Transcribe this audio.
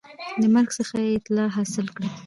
د مرګ څخه یې اطلاع حاصل کړه